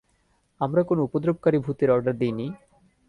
আমরা কোন উপদ্রবকারী ভুতের অর্ডার দিইনি।